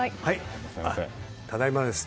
ただいまです。